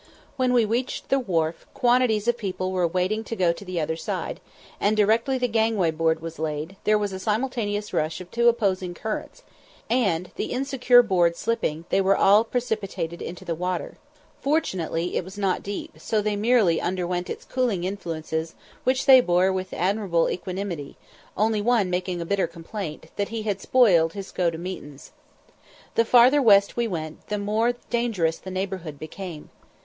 When we reached the wharf, quantities of people were waiting to go to the other side; and directly the gangway board was laid, there was a simultaneous rush of two opposing currents, and, the insecure board slipping, they were all precipitated into the water. Fortunately it was not deep, so they merely underwent its cooling influences, which they bore with admirable equanimity, only one making a bitter complaint, that he had spoiled his "go to meetins." The farther west we went, the more dangerous the neighbourhood became.